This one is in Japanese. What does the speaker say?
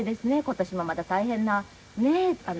今年もまた大変なねえ。